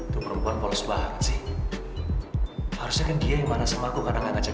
tuh perempuan polos banget sih harusnya kan dia yang marah sama aku karena ngajakin bareng